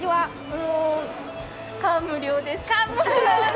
もう、感無量です。